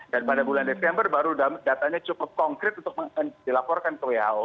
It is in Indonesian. dan pada bulan desember baru datanya cukup konkret untuk dilaporkan ke who